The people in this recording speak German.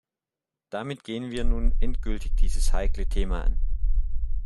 Damit gehen wir nun endgültig dieses heikle Thema an.